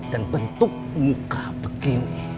dan bentuk muka begini